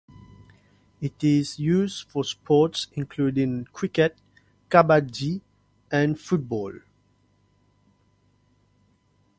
It is used for sports including cricket, kabaddi, and football.